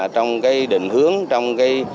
trong định hướng